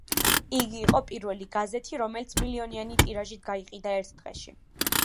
იყო პირველი გაზეთი, რომელიც მილიონიანი ტირაჟით გაიყიდა ერთ დღეში.